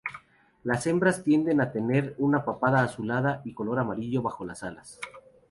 Las hembras tienden a tener una papada azulada y color amarillo bajo las "alas".